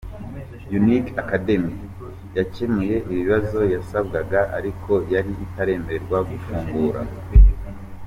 Unique Academy yakemuye ibibazo yasabwaga ariko yari itaremererwa gufungura.